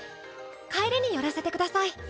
帰りに寄らせてください。